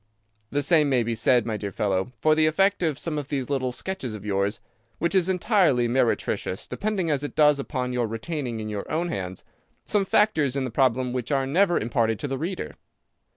The same may be said, my dear fellow, for the effect of some of these little sketches of yours, which is entirely meretricious, depending as it does upon your retaining in your own hands some factors in the problem which are never imparted to the reader.